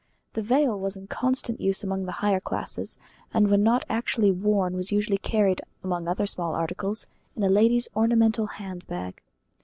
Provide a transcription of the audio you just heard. The veil was in constant use among the higher classes, and when not actually worn was usually carried, among other small articles, in a lady's ornamental hand bag.